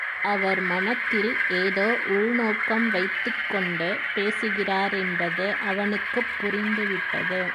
அவர் மனத்தில் ஏதோ உள்நோக்கம் வைத்துக் கொண்டு பேசுகிறாரென்பது அவனுக்குப் புரிந்துவிட்டது.